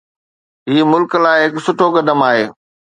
هي ملڪ لاءِ هڪ سٺو قدم آهي.